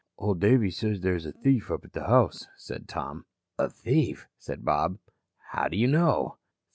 "Old Davey says there's a thief up at the house," said Tom. "A thief?" said Bob. "How do you know?"